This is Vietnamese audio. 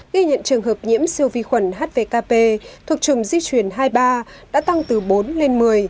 ghi nhận trường hợp nhiễm siêu vi khuẩn hvkp thuộc chủng di chuyển hai mươi ba đã tăng từ bốn lên một mươi